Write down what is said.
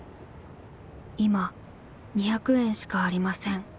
「今２００円しかありません。